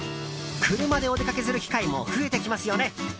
車でお出かけする機会も増えてきますよね。